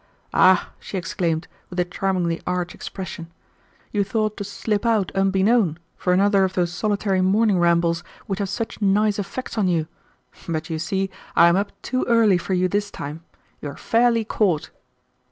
"Ah!" she exclaimed, with a charmingly arch expression, "you thought to slip out unbeknown for another of those solitary morning rambles which have such nice effects on you. But you see I am up too early for you this time. You are fairly caught."